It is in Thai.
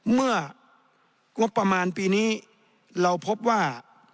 เมื่องบประมาณปีนี้เราพบว่า